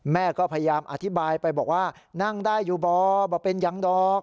แม่ก็พยายามอธิบายไปบอกว่านั่งได้อยู่บ่อบ่เป็นยังดอก